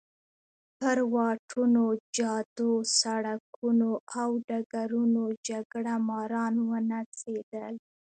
پر واټونو، جادو، سړکونو او ډګرونو جګړه ماران ونڅېدل.